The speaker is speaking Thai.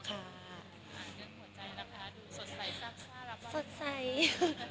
เงินหัวใจนะคะดูสดใสซ่ารับบ้าง